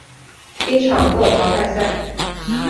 一场过淘汰赛。